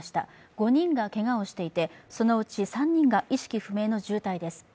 ５人がけがをしていて、そのうち３人が意識不明の重体です。